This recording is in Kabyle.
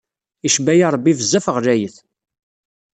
Icuba-ayi Ṛebbi bezzaf ɣlayet.